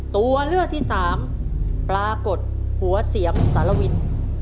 ตัวเลือกที่สามปรากฏหัวเสียมสารวิน